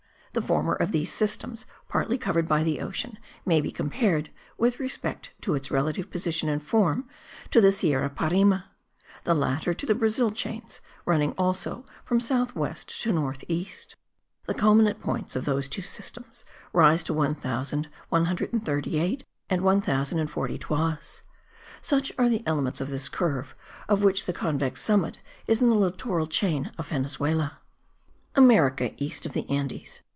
The former of these systems, partly covered by the ocean, may be compared, with respect to its relative position and form, to the Sierra Parime; the latter, to the Brazil chains, running also from south west to north east. The culminant points of those two systems rise to 1138 and 1040 toises. Such are the elements of this curve, of which the convex summit is in the littoral chain of Venezuela: AMERICA, EAST OF THE ANDES.